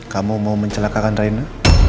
kamu mau mencelakakan reyna